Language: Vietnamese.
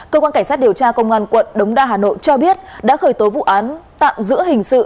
cơ quan cảnh sát điều tra công an quận đống đa hà nội cho biết đã khởi tố vụ án tạm giữ hình sự